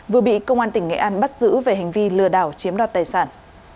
vừa bị công an tỉnh nghệ an bắt giữ về hành vi lừa đảo chiếm đoạt tài sản